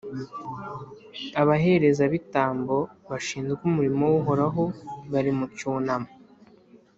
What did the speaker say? abaherezabitambo bashinzwe umurimo w’Uhoraho bari mu cyunamo.